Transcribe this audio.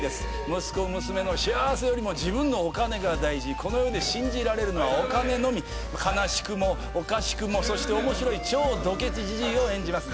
息子娘の幸せよりも自分のお金が大事この世で信じられるのはお金のみ悲しくもおかしくもそして面白い超ドケチじじいを演じます